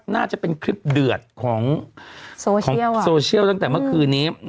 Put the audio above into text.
น่าจะเป็นคลิปเดือดของโซเชียลโซเชียลตั้งแต่เมื่อคืนนี้